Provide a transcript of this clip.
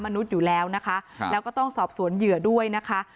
มนุษย์อยู่แล้วนะคะแล้วก็ต้องสอบสวนเหยื่อด้วยนะคะ